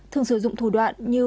thường sử dụng thủ đoạn như